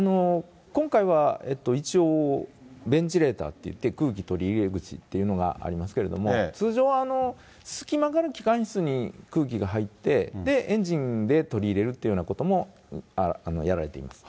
今回は一応ベンチレーターっていって空気取り入れ口というのがありますけれども、通常は隙間から機関室に空気が入って、エンジンで取り入れるというようなこともやられています。